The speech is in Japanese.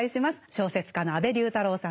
小説家の安部龍太郎さんです。